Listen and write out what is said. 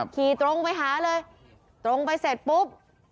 ขี่ตรงไปหาเลยตรงไปเสร็จปุ๊บ